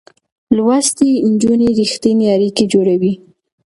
لوستې نجونې رښتينې اړيکې جوړوي.